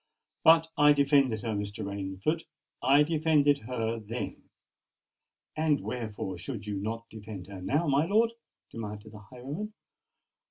"But I defended her, Mr. Rainford—I defended her then——" "And wherefore should you not defend her now, my lord?" demanded the highwayman.